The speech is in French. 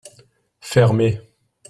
Fermez !